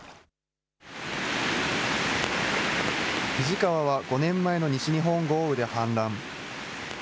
肱川は５年前の西日本豪雨で氾濫。